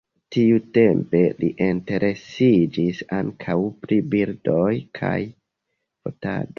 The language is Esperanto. Tiutempe li interesiĝis ankaŭ pri birdoj kaj fotado.